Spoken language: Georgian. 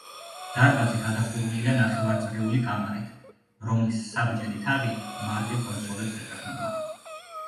დარბაზი გადახურულია ნახევარწრიული კამარით, რომლის საბჯენი თაღი მარტივ კონსოლებს ეყრდნობა.